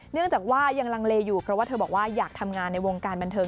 เนื่องจากว่ายังลังเลอยู่เพราะว่าเธอบอกว่าอยากทำงานในวงการบันเทิง